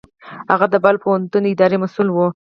هغه د بلخ پوهنتون اداري مسوول و.